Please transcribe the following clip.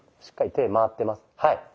しっかり手回ってます。